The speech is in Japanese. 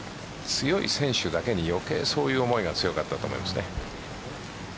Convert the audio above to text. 強い選手だけに余計そういう思いが強かったと思いますね。